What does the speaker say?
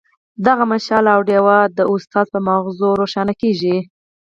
دغه مشال او ډیوه د ښوونکي په مازغو روښانه کیږي.